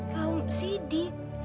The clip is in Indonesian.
kaum orang miskin yang suci